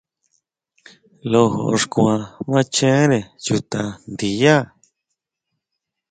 Lojo xkua machere chuta ndiyá.